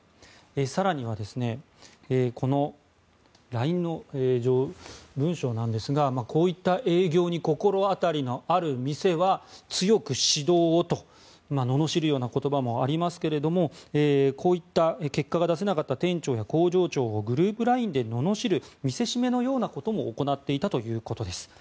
更にはこれ、ＬＩＮＥの文章なんですがこういった営業に心当たりのある店は強く指導をとののしるような言葉もありますがこういった、結果が出せなかった店長や工場長をグループＬＩＮＥでののしる見せしめのようなことも行っていたということです。